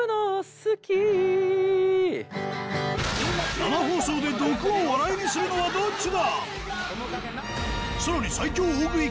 生放送で毒を笑いにするのはどっちだ？